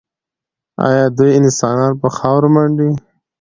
ایا دوی انسانان په خاورو منډي؟